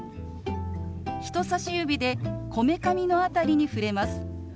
人さし指でこめかみの辺りに触れます。